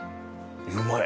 うまい。